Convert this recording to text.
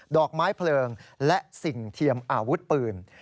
อกไม้เพลิงและสิ่งเทียมอาวุธปืน